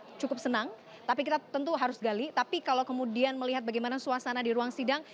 kita cukup senang tapi kita tentu harus gali tapi kalau kemudian melihat bagaimana suasana di ruang sidang